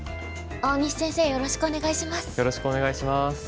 大西先生よろしくお願いします。